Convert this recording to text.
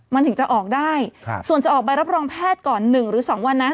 มันถึงจะออกได้ส่วนจะออกใบรับรองแพทย์ก่อน๑หรือ๒วันนั้น